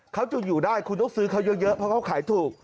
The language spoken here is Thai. เขาจะอยู่ได้คุณต้องซื้อเขาเยอะเพราะเขาขายถูก